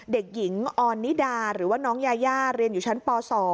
เด็กหญิงออนนิดาหรือว่าน้องยายาเรียนอยู่ชั้นป๒